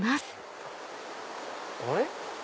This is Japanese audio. あれ？